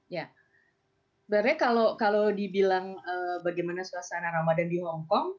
ya sebenarnya kalau dibilang bagaimana suasana ramadan di hongkong